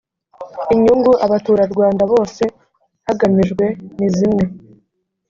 inyungu abaturarwanda bose hagamijwe nizimwe.